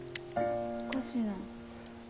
おかしいな。